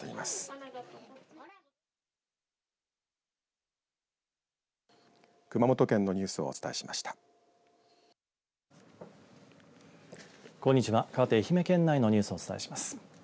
かわって愛媛県内のニュースをお伝えします。